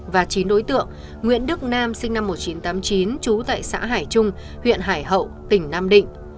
và chín đối tượng nguyễn đức nam sinh năm một nghìn chín trăm tám mươi chín trú tại xã hải trung huyện hải hậu tỉnh nam định